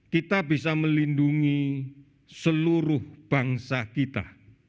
kita bisa melindungi seluruh bangsa kita